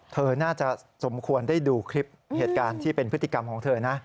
เธอน่าจะสมควรได้ดูคลิปเหตุการณ์ที่เป็นพฤติกรรมของเธอนะ